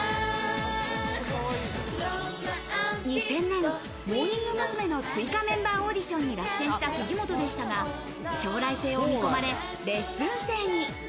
２０００年、モーニング娘。の追加メンバーオーディションに落選した藤本でしたが、将来性を見込まれて、レッスン生に。